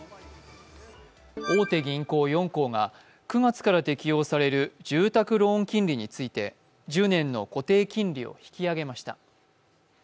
大手銀行４行が９月から適用される住宅ローン金利について１０年の固定金利を引き上げました。